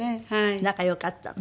仲良かったの？